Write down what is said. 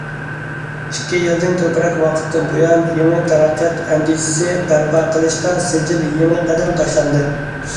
ئىككى يىلدىن كۆپرەك ۋاقىتتىن بۇيان، يېڭى تەرەققىيات ئەندىزىسى بەرپا قىلىشتا سىجىل يېڭى قەدەم تاشلاندى.